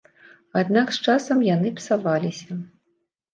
Аднак з часам яны псаваліся.